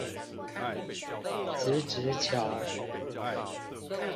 辭職橋